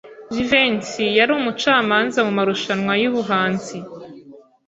Jivency yari umucamanza mumarushanwa yubuhanzi.